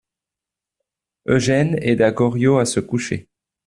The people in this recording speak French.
Eugène aida Goriot à se coucher.